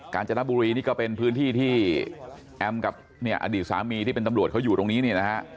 การจนบุรีนี่ก็เป็นพื้นที่ที่แอมกับเนี่ยอดีตสามีที่เป็นตำรวจเขาอยู่ตรงนี้เนี่ยนะฮะ